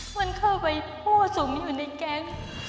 มันคือไว้ผู้สมอยู่ในแกง